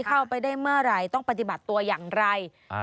เข้าไปได้เมื่อไหร่ต้องปฏิบัติตัวอย่างไร